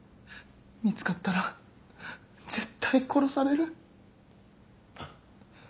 見つかったら絶対殺される。